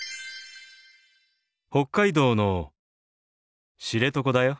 北海道の知床だよ。